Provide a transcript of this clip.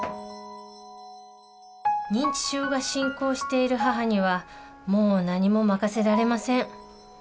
認知症が進行している母にはもう何もまかせられません。